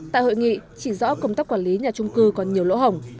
tại hội nghị chỉ rõ công tác quản lý nhà trung cư còn nhiều lỗ hồng